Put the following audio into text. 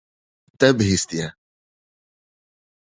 Te bihîstiye.